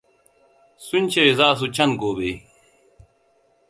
Sun ce za su can gobe.